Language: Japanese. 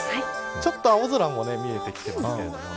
ちょっと青空も見えてきていますね。